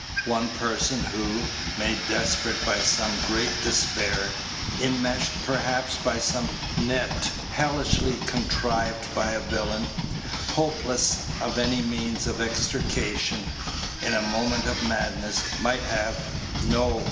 One person who, made desperate by some great despair, enmeshed perhaps by some net hellishly contrived by a villain, hopeless of any means of extrication, in a moment of madness, might have No!